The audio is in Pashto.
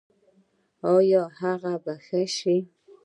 ایا هغه ښه شو؟